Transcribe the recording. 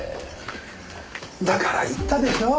だから言ったでしょう？